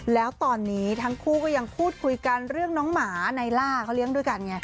แล้วตอนนี้ทั้งคู่ก็ยังพูดคุยกันเรื่องน้องหมาในล่าเขาเลี้ยงด้วยกันไง